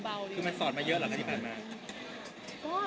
คือมันสอนมาเยอะเหรอคะที่ผ่านมา